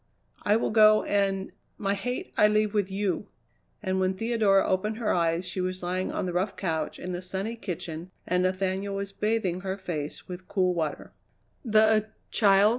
"I will go and my hate I leave with you!" And when Theodora opened her eyes she was lying on the rough couch in the sunny kitchen, and Nathaniel was bathing her face with cool water. "The child?"